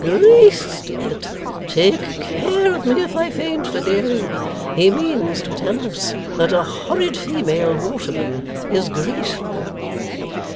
'Graced it! Take care of me if I faint, Veneering. He means to tell us, that a horrid female waterman is graceful!